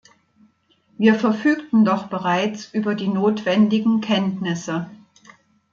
Wir verfügten doch bereits über die notwendigen Kenntnisse.